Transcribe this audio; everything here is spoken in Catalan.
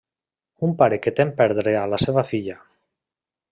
Un pare que tem perdre a la seva filla.